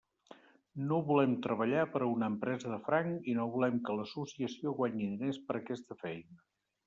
No volem treballar per a una empresa de franc i no volem que l'associació guanyi diners per aquesta feina.